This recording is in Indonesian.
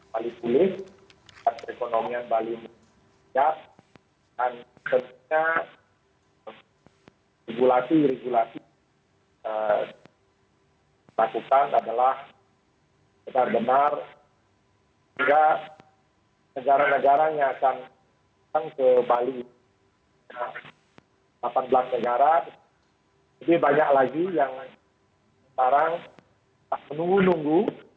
bali pulih dan perekonomian bali menjadi sejarah dan tentunya simulasi regulasi kita lakukan adalah benar benar sehingga negara negara yang akan datang ke bali delapan belas negara lebih banyak lagi yang sekarang menunggu nunggu